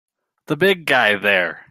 The big guy there!